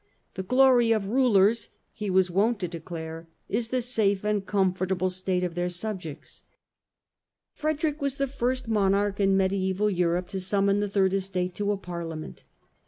The glory of Rulers," he was wont to declare, " is the safe and comfortable state of their subjects." Frederick was the first monarch in mediaeval Europe to summon the Third Estate to a Parliament.